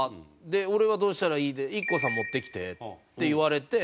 「俺はどうしたらいい？」で「ＩＫＫＯさん持ってきて」って言われて。